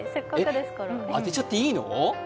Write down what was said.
当てちゃっていいの？